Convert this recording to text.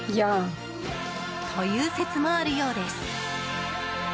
という説もあるようです。